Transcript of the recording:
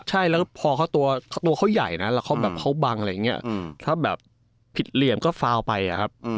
ใช่แล้วพอเขาตัวเขาใหญ่นะแล้วเขาแบบเขาบังอะไรอย่างนี้ถ้าแบบผิดเหลี่ยมก็ฟาวไปอะครับ